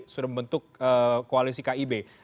sudah membentuk koalisi kib